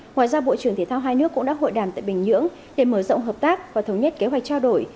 ngoài ra bộ trưởng thể thao hai nước cũng đã hội đàm tại bình nhưỡng để mở rộng hợp tác và thống nhất kế hoạch trao đổi